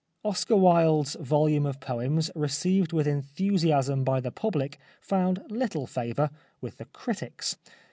Oscar Wilde's volume of poems received with enthusiasm by the public found little favour with the critics.